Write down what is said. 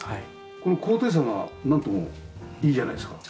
この高低差がなんともいいじゃないですか。